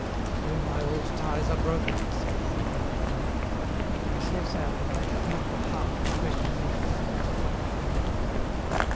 "'All my old ties are broken,' he said, as he parted from me. He was so sad that I had not the heart to question him further."